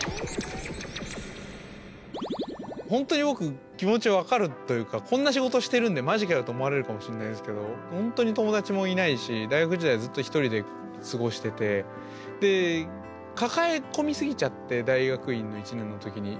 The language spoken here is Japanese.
本当に僕気持ち分かるというかこんな仕事してるんでまじかよと思われるかもしれないですけど本当に友達もいないし大学時代ずっと一人で過ごしててで抱え込みすぎちゃって大学院の１年の時に。